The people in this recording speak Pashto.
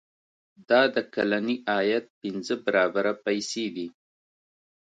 دا د کلني عاید پنځه برابره پیسې دي.